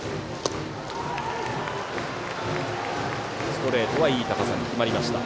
ストレートはいい高さに決まりました。